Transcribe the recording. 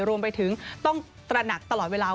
รวมไปถึงต้องตระหนักตลอดเวลา